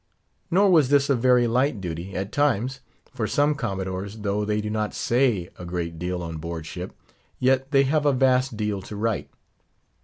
Nor was this a very light duty, at times; for some commodores, though they do not say a great deal on board ship, yet they have a vast deal to write.